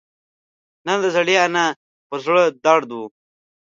نن د زړې انا پر زړه دړد شو